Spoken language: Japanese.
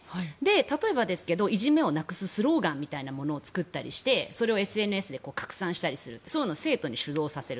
例えばですけど、いじめをなくすスローガンみたいなものを作ったりしてそれをＳＮＳで拡散したりするそういうのを生徒に主導させる。